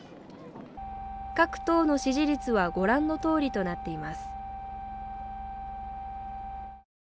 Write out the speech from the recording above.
各党の支持率はご覧のとおりとなっています